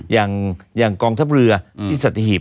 อย่างกองทัพเรือที่สัตหีบ